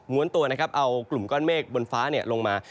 ้วนตัวนะครับเอากลุ่มก้อนเมฆบนฟ้าลงมา